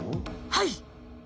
はい！